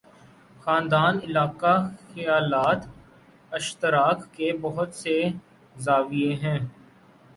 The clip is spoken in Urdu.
خاندان، علاقہ، خیالات اشتراک کے بہت سے زاویے ہیں۔